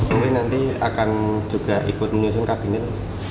mungkin nanti akan juga ikut menyusun kabinet